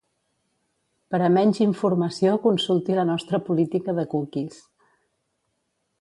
Per a menys informació consulti la nostra Política de Cookies.